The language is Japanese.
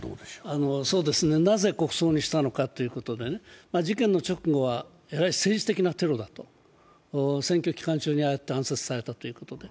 なぜ国葬にしたのかということで、事件の直後は政治的なテロだと、選挙期間中に暗殺されたということで。